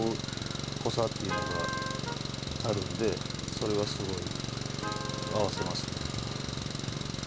それはすごい合わせますね。